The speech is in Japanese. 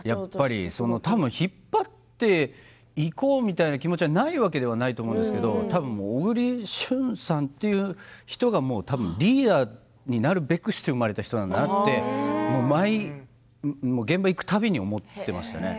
引っ張っていこうという気持ちがないわけではないと思うんですが小栗旬さんという人が多分、リーダーになるべくして生まれた人なんだなって現場へ行く度に思っていましたね。